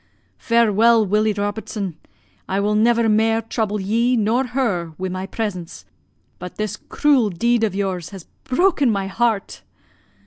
Farewell, Willie Robertson, I will never mair trouble ye nor her wi' my presence, but this cruel deed of yours has broken my heart!'